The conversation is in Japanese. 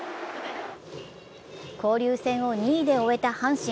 交流戦を２位で終えた阪神。